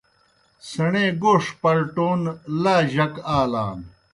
سیْݨے گوݜ پلٹون جک آلان۔